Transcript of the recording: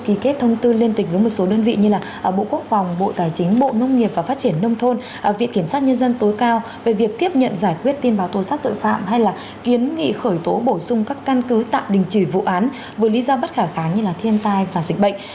ký kết thông tư liên tịch với một số đơn vị như bộ quốc phòng bộ tài chính bộ nông nghiệp và phát triển nông thôn viện kiểm sát nhân dân tối cao về việc tiếp nhận giải quyết tin báo tố xác tội phạm hay là kiến nghị khởi tố bổ sung các căn cứ tạm đình chỉ vụ án với lý do bất khả kháng như thiên tai và dịch bệnh